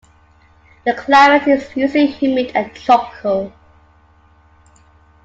The climate is usually humid and tropical.